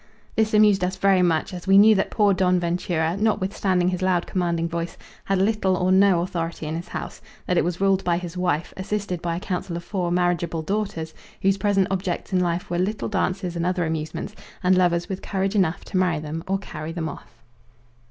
This amused us very much, as we knew that poor Don Ventura, notwithstanding his loud commanding voice, had little or no authority in his house; that it was ruled by his wife, assisted by a council of four marriageable daughters, whose present objects in life were little dances and other amusements, and lovers with courage enough to marry them or carry them off.